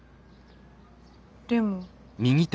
でも。